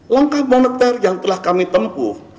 langkah moneter yang telah kami tempuh